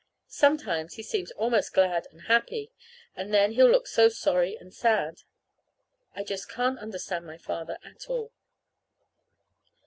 Sometimes he seems almost glad and happy, and then he'll look so sorry and sad! I just can't understand my father at all.